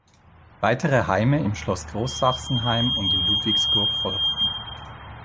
Weitere Heime im Schloss Großsachsenheim und in Ludwigsburg folgten.